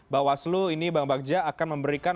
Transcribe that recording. bahwa seluruh ini bang bagja akan memberikan